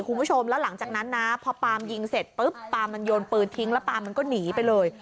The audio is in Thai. คุณผู้ชมแล้วหลังจากนั้นนะพอปาล์มยิงเสร็จปุ๊บปาล์มมันโยนปืนทิ้งแล้วปาล์มันก็หนีไปเลย